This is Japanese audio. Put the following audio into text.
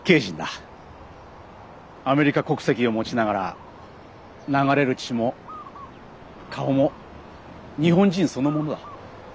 アメリカ国籍を持ちながら流れる血も顔も日本人そのものだ。